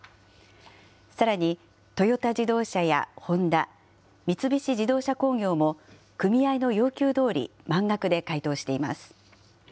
さらに、トヨタ自動車やホンダ、三菱自動車工業も組合の要求どおり満額で回答しています。